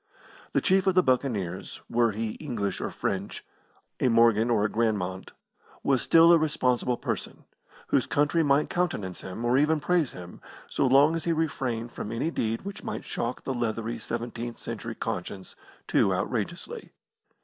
The chief of the Buccaneers, were he English or French, a Morgan or a Granmont, was still a responsible person, whose country might countenance him, or even praise him, so long as he refrained from any deed which might shock the leathery seventeenth century conscience too outrageously.